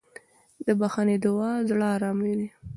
د بښنې دعا د زړه ارامي ده.